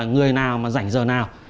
người nào rảnh giờ nào